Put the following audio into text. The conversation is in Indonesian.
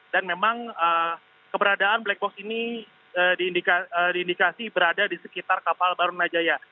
dan memang keberadaan black box ini diindikasi berada di sekitar kapal barunajaya